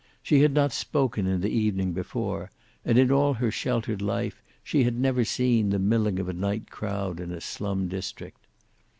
She had not spoken in the evening before, and in all her sheltered life she had never seen the milling of a night crowd in a slum district.